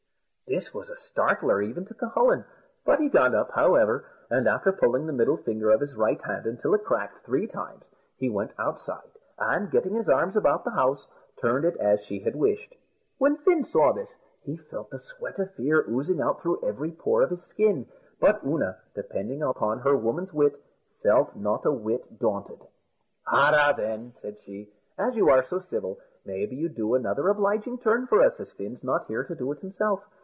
This was a startler even to Cucullin; but he got up, however, and after pulling the middle finger of his right hand until it cracked three times, he went outside, and getting his arms about the house, turned it as she had wished. When Fin saw this, he felt the sweat of fear oozing out through every pore of his skin; but Oonagh, depending upon her woman's wit, felt not a whit daunted. "Arrah, then," said she, "as you are so civil, maybe you'd do another obliging turn for us, as Fin's not here to do it himself.